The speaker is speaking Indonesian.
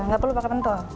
gak perlu pakai pentul